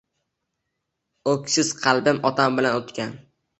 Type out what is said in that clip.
O‘ksik qalbim otam bilan o’tgan.